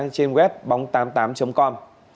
trên web bóng tám mươi tám com